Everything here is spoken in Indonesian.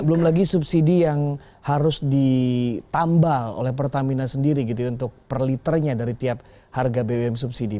belum lagi subsidi yang harus ditambah oleh pertamina sendiri gitu ya untuk per liternya dari tiap harga bbm subsidi